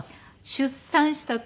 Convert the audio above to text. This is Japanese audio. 出産した時。